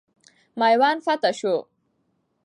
میوند فتح سو.